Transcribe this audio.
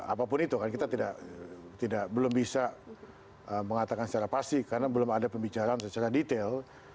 apapun itu kan kita belum bisa mengatakan secara pasti karena belum ada pembicaraan secara detail